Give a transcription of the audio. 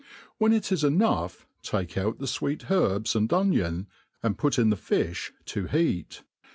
When it is enough, take out the. fweet herbs and onion, and put in the fi(h to heat.